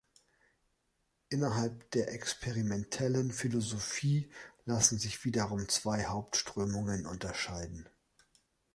Innerhalb der experimentellen Philosophie lassen sich wiederum zwei Hauptströmungen unterscheiden.